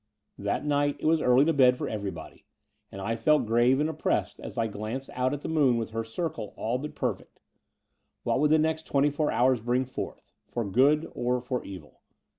282 The Door of the Unreal That night it was early to bed for everybody; and I felt grave and oppressed as I glanced out at the moon with her circle all but perfect. What would the next twenty four hours bring forth — for good or for evil?